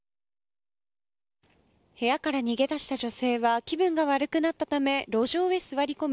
部屋から逃げ出した女性は気分が悪くなったため路上へ座り込み